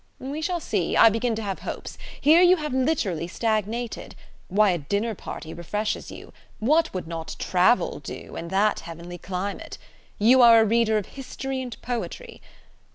We shall see. I begin to have hopes. Here you have literally stagnated. Why, a dinner party refreshes you! What would not travel do, and that heavenly climate! You are a reader of history and poetry.